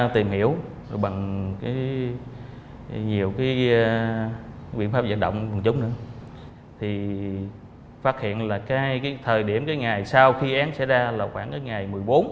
thì phát hiện là cái thời điểm cái ngày sau khi án xảy ra là khoảng cái ngày một mươi bốn